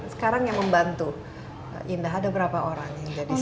sekarang yang membantu indah ada berapa orang yang jadi